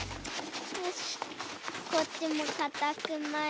よしこっちもかたくまいて。